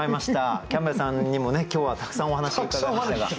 キャンベルさんにも今日はたくさんお話伺いましたが。